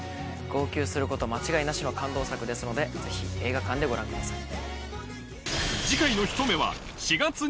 号泣すること間違いなしの感動作ですのでぜひ映画館でご覧ください。